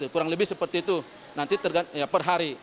kurang lebih seperti itu per hari